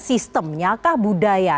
sistemnya nyakah budaya